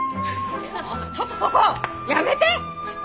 ちょっとそこやめて！